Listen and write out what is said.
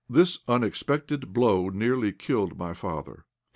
This unexpected blow nearly killed my father.